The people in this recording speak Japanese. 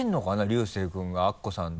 龍聖君がアッコさんの。